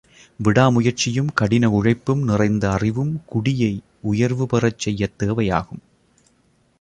விடாமுயற்சியும், கடின உழைப்பும், நிறைந்த அறிவும் குடியை உயர்வு பெறச் செய்யத் தேவையாகும்.